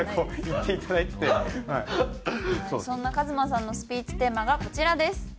そんなＫＡＭＡさんのスピーチテーマがこちらです。